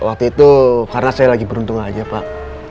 waktu itu karena saya lagi beruntung aja pak